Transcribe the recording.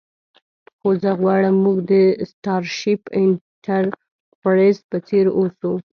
خو زه غواړم موږ د سټارشیپ انټرپریز په څیر اوسو